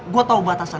gue tahu batasan